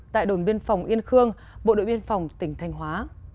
tại đồn biên phòng yên khương bộ đội biên phòng tỉnh thanh hóa